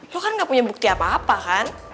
gue kan gak punya bukti apa apa kan